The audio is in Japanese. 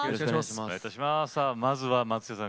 まずは松下さん